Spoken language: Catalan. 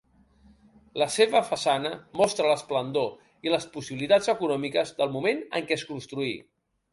La seva façana mostra l'esplendor i les possibilitats econòmiques del moment en què es construí.